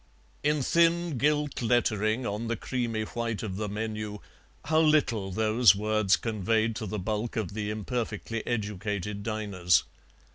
In thin gilt lettering on the creamy white of the menu how little those words conveyed to the bulk of the imperfectly educated diners.